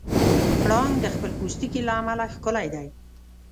پړانګ د خپل پوستکي له امله ښکلی دی.